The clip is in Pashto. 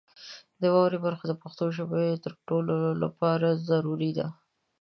د واورئ برخه د پښتو ژبې د تړلو لپاره ضروري ده.